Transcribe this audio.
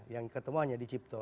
yang ketemu hanya di cipto